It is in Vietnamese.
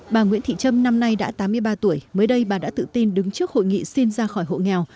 bà nguyễn thị trâm năm nay đã tám mươi ba tuổi mới đây bà đã tự tin đứng trước hội nghị xin ra khỏi hộ nghèo